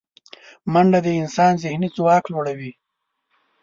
منډه د انسان ذهني ځواک لوړوي